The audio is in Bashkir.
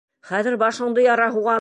Хәҙер башыңды яра һуғам!